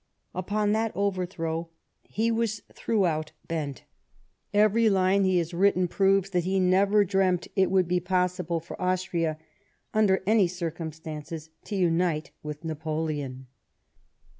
Upon that overthrow he was throughout bent. Every line he h.is written proves that he never dreamt it would be possible for Austria, under any circumstances, to unite with Napoleon.